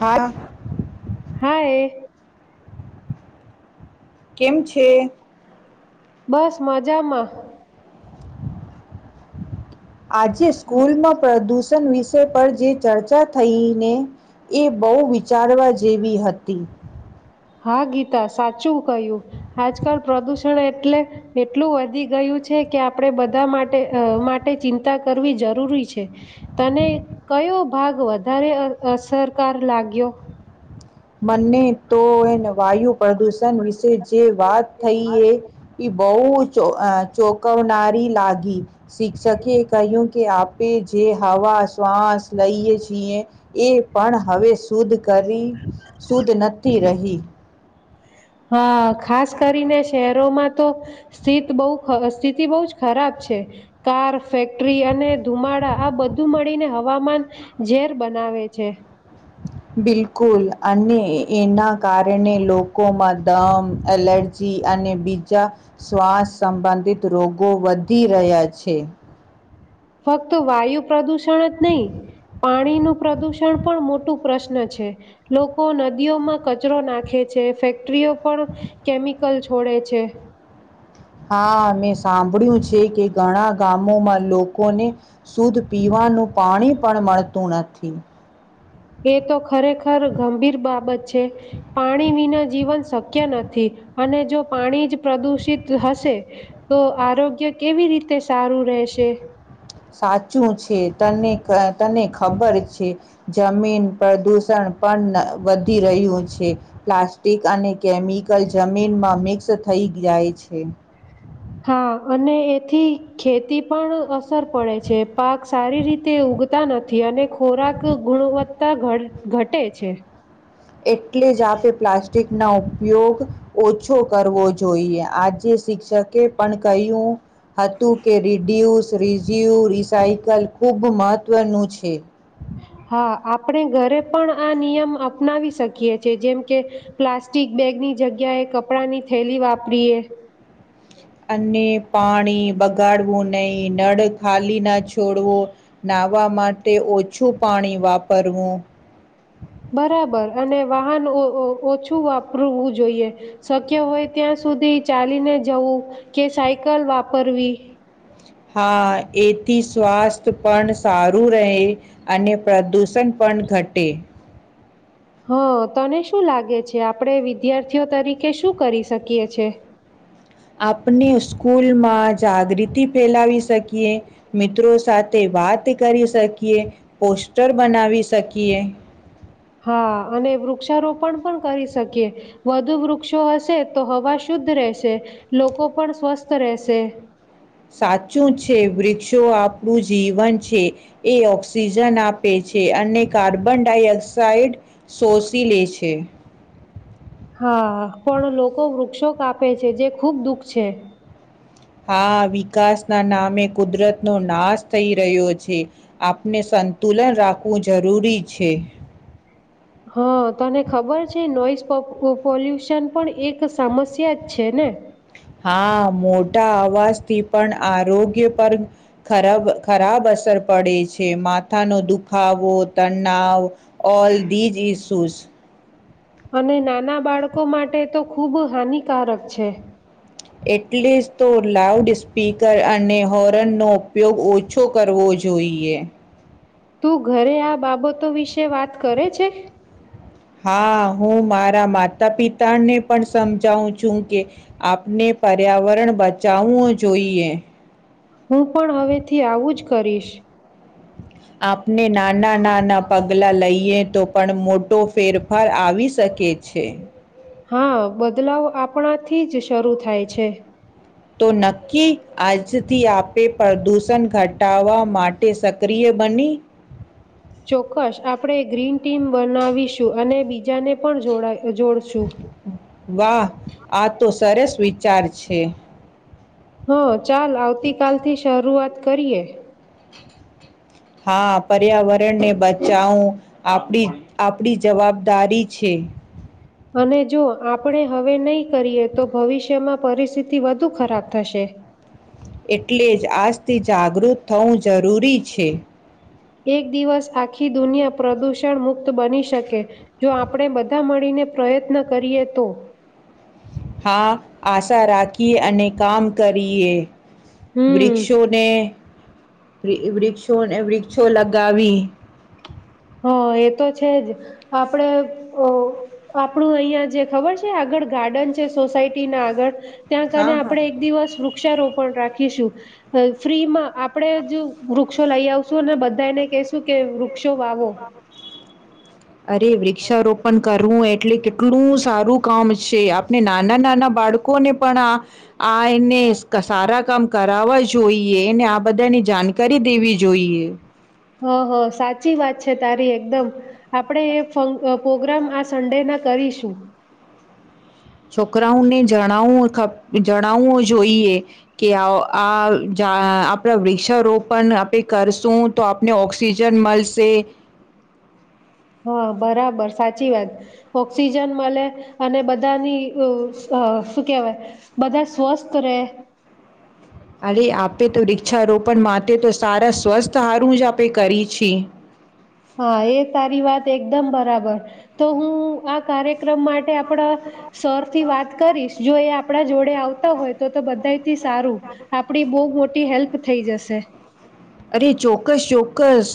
હા હા એ. કેમ છે? બસ મજામાં. આજે સ્કૂલમાં પ્રદૂષ વિષ પર જે ચર્ચા થઈને એ બહુ વિચારવા જેવી હતી. હા ગીતા સાચું કહ્યું આજકાલ પ્રદૂષણ એટલે એટલું વધી ગયું છે, કે આપણે બધા માટે માટે ચિંતા કરવી જરૂરી છે તને કયો ભાગ વધારે અસરકાર લાગ્યો. મને તો એ વાયુ પ્રદૂષણ વિશે જે વાત થઈ એ એ બહુ ચોકવનારી લાગી, શિક્ષકે કહ્યું કે આપે જે હવા શ્વાસ લઈએ છીએ એ પણ હવે શુદ્ધ કરી. સુદ નતી રહી. હા ખાસ કરીને શહેરોમાં તો સ્થિત બઉ સ્થિતિ બઉ જ ખરાબ છે કાર, ફેક્ટરી અને ધુમાડા આ બધું મળીને હવામાન ઝેર બનાવે છે. બિલકુલ અને એના કારણે લોકોમાં દમ, એલર્જી અને બીજા શ્વાસ સંબંધિત રોગો વધી રહ્યા છે. ફક્ત વાયુ પ્રદૂષણ જ નહી પાણીનું પ્રદુષણ પણ મોટું પ્રશ્ન છે, લોકો નદીઓમાં કચરો નાખે છે, ફેક્ટરીઓ પણ કેમિકલ છોડે છે. હા મેં સાંભળ્યું છે કે ઘણા ગામોમાં લોકોને શુદ્ધ પીવાનું પાણી પણ મળતું નથી. એ તો ખરેખર ગંભીર બાબત છે, પાણી વિના જીવન શક્ય નથી અને જો પાણી જ પ્રદુષિત હશે તો આરોગ્ય કેવી રીતે સારું રહેશે. સાચું છે તને તને ખબર છે જમીન પ્રદૂષણ પણ વધી રહ્યું છે પ્લાસ્ટિક અને કેમિકલ જમીનમાં મિક્સ થઈ જાય છે. હા અને એથી ખેતી પણ અ અસર પડે છે પાક સારી રીતે ઉગ તા નથી અને ખોરાક ગુણવત્તા ઘટે છે એટલે જ આપે પ્લાસ્ટિક ન ઉપયોગ ઓછો કરવો જોઈએ આજે શિક્ષકે પણ કહ્યું હતું કે રિડ્યુસ રિઝ્યુ રિસાયકલ ખૂબ મહત્ત્વનું છે હા આપણે ઘરે પણ આ નિયમ અપનાવી શકીએ છેએ જેમ કે પ્લાસ્ટિક બેગની જગ્યાએ કપડાંની થેલી વાપરીએ અને પાણી બગાડવું નહીિ નળ ખાલી ના છોડવું નાહવા માટે ઓછું પાણી વાપરવું બરાબર અને વાહન ઓછું વાપરવું જોઈએ શક્ય હોય ત્યાં સુધી ચાલીને જવું કે સાયકલ વાપરવી હા એથી સ્વાસ્થ્ય પણ સારું રહે અને પ્રદૂષણ પણ ઘટે હા તને શું લાગે છે આપણે વિદ્યાર્થીઓ તરીકે શું કરી શકીએ છે આપણે સ્ કૂલમાં જાગૃતિ ફેલાવી શકીએ મિત્રો સાથે વાત કરી શકીએ પોસ્ટર બનાવી શકીએ હા અને વૃક્ષારોપણ પણ કરી શકીએ વધુ વૃક્ષો હશે તો હવા શુદ્ધ રહેશે લોકો પણ સ્વસ્થ રહેશે સાચું છે વૃક્ષો આપણું જીવન છે એ ઓક્સિજન આપે છે અને કાર્બન ડાયોક્સાઇડ શોષી લે છે હા પણ લોકો વૃક્ષો કાપે છે જે ખુબ દુઃખ છે હા વિકાસના નામે કુદરતનો નાશ થઈ રહ્યો છે આપને સંતુલન રાખવું જરૂરી છે હા તને ખબર છે નોઈઝ પોલ્યુશન પણ એક સમસ્યા જ છે ને હા મોટા અવાજથી પણ આરોગ્ય પર ખરાબ ખરાબ અસર પડે છે માથાનો દુખાવો તનાવ ઓલ ધીઝ ઈસુ અને નાના બાળકો માટે તો ખૂબ હાનિકારક છે એટલે જ તો લાઉડ સ્પીકર અને હોર્નનો ઉપયોગ ઓછો કરવો જોઈએ તું ઘરે આ બાબતો વિશે વાત કરે છે હા હું મારા માતા પિતાને પણ સમજાવું છું કે આપને પર્યાવરણ બચાવવું જોઈએ હું પણ હવે થી આવું જ કરીશ આપને નાના નાના પગલાં લઈએ તો પણ મોટો ફેરફાર આવી શકે છે હા બદલાવ આપણાથી જ શરૂ થાય છે તો નક્કી આજથી આપે પ્રદૂષણ ઘટાવા માટે સક્રિય બની ચોક્કસ આપણેે ગ્રીન ટી બનાવીશું અને બીજાને પણ જોડાય વાહ આ તો સરસ વિચાર છે હા ચાલ આવતીકાલ થી શરૂઆત કરીએ હા પર્યાવરણને બચાવું આપ આપડી જવાબદારી છે અને જો આપણે હવે નહીં કરીએ તો ભવિષ્યમાં પરિસ્થિતિ વધુ ખરાબ થશે એટલે જ આજથી જાગૃત થવું જરૂરી છે એક દિવસ આખી દુનિયા પ્રદૂષણ મુક્ત બની શકે જો આપણે બધા મળીને પ્રયત્ન કરીએ તો હા આશા રાખીએ અને કામ કરીએ હમ વૃક્ષોને વૃક્ષો વૃક્ષો લગાવી હા એ તો છે જ આપડે આપણું અહિયાં જે ખબર છે આગળ ગાર્ડન છે સોસાયટી ના આગળ ત્યાં કરીને હા હા આપડણે એક દિવસ વૃક્ષારોપ રાખીશું ફ્રીમાં આપણે જ વૃક્ષો લઈ આવશું અને બધાને હું કે વૃક્ષો વાવો. [inaudible] અરે વૃક્ષારોપણ કરવું એ એટલે કેટલું સારું કામ છે. આપણે નાના નાના બાળકોને પણ, આ આ એને સારા કામ કરાવવા જોઈએ. એને આ બધાની જાણકારી દેવી જોઈએ. હા! હા સાચી વાત છે. તારી એકદમ આપણેે એ ફંક પ્રોગ્રામ આ સન્ડે ના કરીશું. છોકરાઓને જણાવું ખ જણાવું જોઈએ કે, આ આપણા ઝા વૃક્ષારોપણ આપે કરશું તો આપને ઓક્સિજન મળશે. હા! બરાબર સાચી વાત, ઓક્સિજન મળે, અને બધાની શું કેહેવાય? બધા સ્વસ્થ રહે. અરે આપે તો, વૃક્ષારોપણ માટે તો સારા સ્વસ્થ હારું જ આપે કરી છે. હા એ તારી વાત એકદમ બરાબર તો, હું આ કાર્યક્રમ માટે આ આપડા સર થી વાત કરીશ, જો એ આપણા જોડે તે આવતા હોય, તો તો બધાય સારું! આપડી બહુ મોટી હેલ્પ થઈ જશે. અરે, ચોક્કસ ચોક્કસ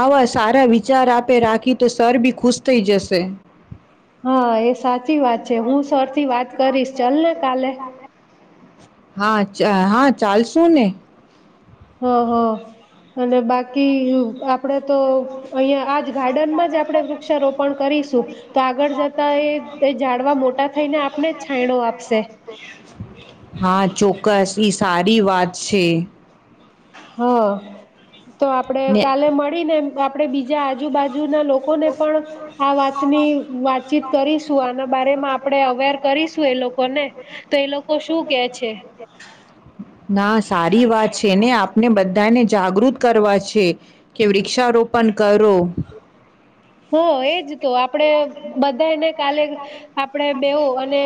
આવા સારા વિચાર આપે રાખી તો, સર બી ખુશ થઈ જશે. હા એ સાચી વાત છે. હું સરથી વાત કરીશ ચલ ને કાલે. હા! હા ચાલશું ને. હં હં! અને બાકી [inaudible] આપણે તો અહીંયા આજ ગાર્ડનમાં જ આપણે વૃક્ષારોપણ કરીશું. તો આગળ જતા એ જાડવા મોટા થઈને, આપણે જ છાંયડો આપશે. હા, ચોક્કસ ઈ સારી વાત છે. હાઅઅ તો, આપડે ને કાલે મળીને એમ આપણે બીજ જે આજુબાજુ ના લોકોને પણ આ વાતની વાતચીત કરીશું. આના બારેમાં આપણેે, અવેર કરીશું એ લોકોને, તો એ લોકો શું કે છે? ના સારી વાત છે ને! આપને બધાને જાગૃત કરવા છે કે, વૃક્ષારોપણ કરો. [inaudible] આપણે બધા એને કાલે આપડે બેવું, અને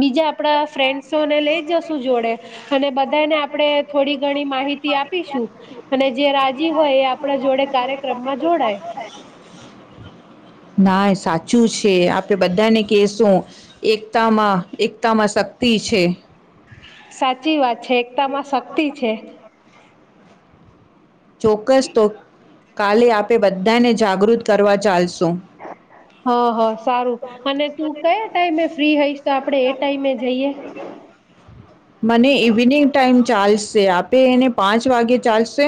બીજા આપડા ફ્રેંડસ સૌને લઈ જશુ જોડે. અને બધાને આપણે થોડી ઘણી માહિતી આપીશું. અને જે રાજી હોય, એ આપણા જોડે કાર્યક્રમમાં જોડાય. ના સાચું છે. આપણે બધાને કહેશું એકતામાં, એકતામાં શક્તિ છે. સાચી વાત. છે. એકતા માં શક્તિ છે. ચોક્કસ તો! કાલે આપે બધાને જાગૃત કરવા ચાલશું. હ હ સારું અને તું કયા ટાઈમે. ફ્રી હઈ. મને ઇવનિંગ ટાઈમ ચાલશે આપે એને પાંચ વાગે ચાલશે.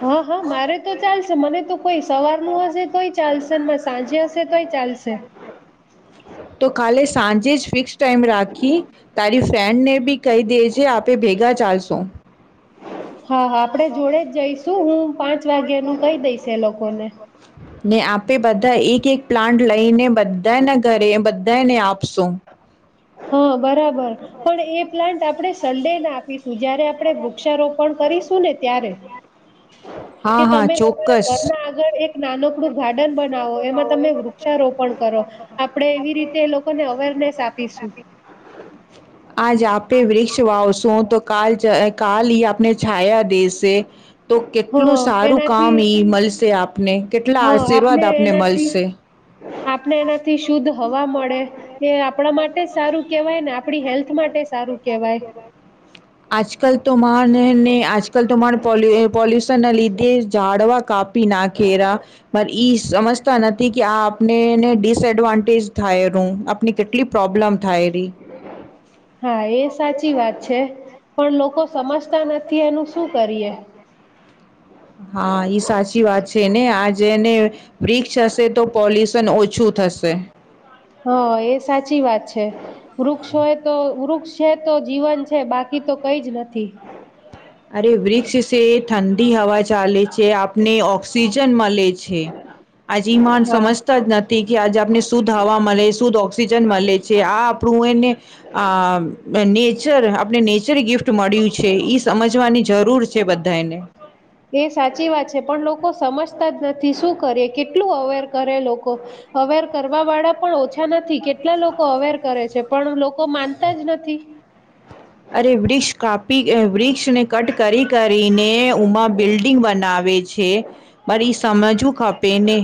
હા હા મારે તો ચાલશે મને તો. કોઈ સવાર ન હશે તોય ચાલશે સાંજે હશે તોય ચાલશે. તો કાલે સાંજે જ ફિક્સ ટાઈમ રાખી તારી ફ્રેન્ડ ને ભી કહી દે જે આપે ભેગા જાસ સ હા હા આપણે જોડે જ જઈશું હું પાંચ વાગ્યાનું કહી દઈશ એ લોકોને ને આપે બધા એક એક પ્લાન્ટ લઈને. બધા એના ઘરે બધાને આપ પ શું હા બરાબર પણ એ પ્લાન્ટ આપણે સન્ડે ના આપીશું જ્યારે આપ આપણે વૃક્ષારોપણ કરીશું ને ત્યારે હા કે હા તમે તમારા ચોક્કસ ઘર ના આગળ એક નાનો આપડું ગાર્ડન બનાવો એમાં તમે વૃક્ષારોપણ કરો આપણે એવી રીતે એ લોકોને અવેરનેસ આપીશ. આજ આપે વ્રીક્ષ વાવશું તો કાલ જ કાલ ઈ આપને છાયા દેશે. તો કેટલું હા સારું કામ ઈ મલશે આપને. હો, આપણે આશીર્વાદ આપને એનાથી મળશે આપણે એનાથી શુદ્ધ હવા મળે. એ આપણા માટે સારું કેવાય ને આપણી હેલ્થ માટે સારું કેવાય. નને આ જકલ તો માણ પોલુ અ પોલ્યુસ્ તના લીધે ઝાડવા કાપી નાખેરા. પણ ઈ સમજતા નથી કે આ આપને ને ડિસએડવાન્ટેજ થાયેલું. આપને કેટલી પ્રોબ્લમ થાય રહી હા, એ સાચી વાત છે. પણ લોકો સમજતા નથી એનું શું કરીએ? હા એ સાચી વાત છે ને વ્રીક્ષ હશે તો પોલ્યુશન ઓછું થશે. હા, એ સાચી વાત છે. વૃક્ષ હોય તો, વૃક્ષ છે તો જીવન છે. બાકી તો કઈ જ નથી. અરે વૃક્ષ છે એ ઠંડી હવા ચાલે છે. કે આપને ઓક્સિજન મલે છે. આજે ઈ માન હા સમજતા જ નથી કે આજે આપને શુદ્ધ હવા મળે, શુદ્ધ ઓક્સિજન મળે છે. આ આપણું એને આ નેચર આપણે નેચર ગિફ્ટ મળ્યું છે. રાખવા ની જરૂર છે બધાને એ સાચી વાત છે પણ લોકો સમજતા જ નથી. શું કરયે, કેટલું અવેર કરે લોકો અવેર કરવા વાળા પણ ઓછા નથી. કેટલા લોકો અવેર કરે છે પણ લોકો માનતા જ નથી. અરે વૃક્ષ કાપી વૃક્ષને કટ કરી કરી ઉમા બિલ્ડિંગ બનાવે છે પન ઈ સમજવું ખપ તેને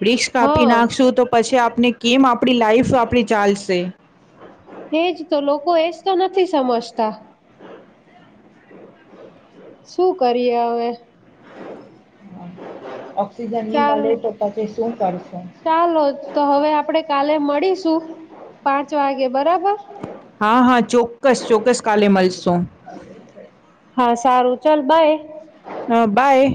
વૃક્ષ કાપી હા નાખશું તો પછી આપને કેમ આપ આપણી લાઈફ આપણી ચાલશે એજ તો લોકો એજ તો નથી સમજતા. શું કરીએ અવે? [inaudible] ની ચાલ મળે તો પછી શું કરશું? ચાલો તો હવે આપડે કાલે મળીશ. પાંચ વાગે બરાબર. [unintelligible] હા હા ચોક્કસ ચોક્કસ કાલે મલસુ. હા સારું ચાલ બાય હા બાય